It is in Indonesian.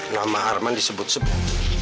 nama arman disebut sebut